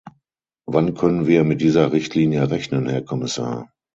Wann können wir mit dieser Richtlinie rechnen, Herr Kommissar?